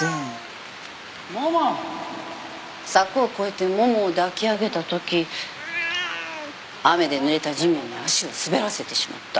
柵を越えてモモを抱き上げたとき雨でぬれた地面に足を滑らせてしまった。